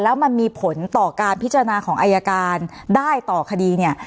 แล้วมันมีผลต่อการพิจารณาของอายการได้ต่อคดีเนี่ย